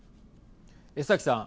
江崎さん。